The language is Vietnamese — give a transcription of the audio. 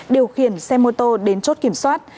điều khiển xe mô tô đến chốt kiểm soát